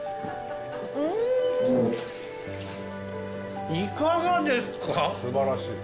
うんいかがですか？